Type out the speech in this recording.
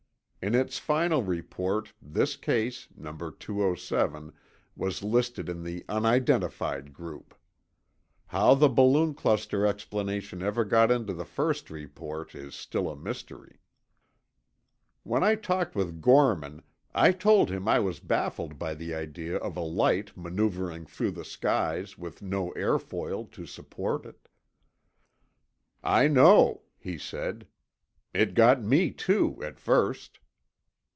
In its final report, this case, Number 207, was listed in the "Unidentified" group. How the balloon cluster explanation ever got into the first report is still a mystery. When I talked with Gorman, I told him I was baffled by the idea of a light maneuvering through the skies with no airfoil to support it. "I know," he said. "It got me, too, at first."